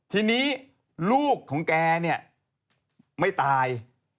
ทีนี้ลูกของแกเนี่ยไม่ตาย